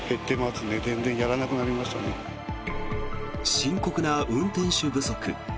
深刻な運転手不足。